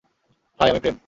High, আমি প্রেম।